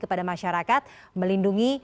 kepada masyarakat melindungi